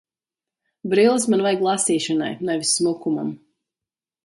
Brilles man vajag lasīšanai, nevis smukumam.